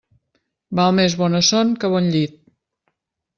Val més bona son que bon llit.